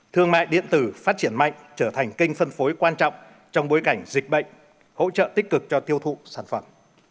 thương mại điện tử phát triển mạnh trở thành kênh phân phối quan trọng trong bối cảnh dịch bệnh hỗ trợ tích cực cho tiêu thụ sản phẩm